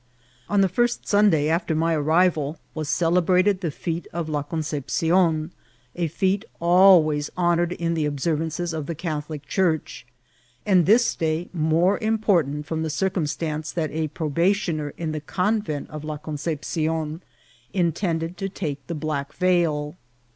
'* On the first Sunday after my arrival was celebrated the fiftte of La Concepcion, a ftte always honoured in the observances of the Cathdic Church, and this day more important from the circumstance that a probaticm er in the convent of La Concepcion intended to take the black veil.